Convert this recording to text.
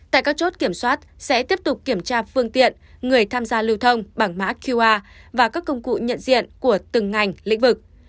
tại các chốt kiểm soát sẽ tiếp tục kiểm tra phương tiện người tham gia lưu thông bằng mã qr và các công cụ nhận diện của từng ngành lĩnh vực